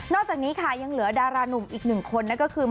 จากนี้ค่ะยังเหลือดารานุ่มอีกหนึ่งคนนั่นก็คือ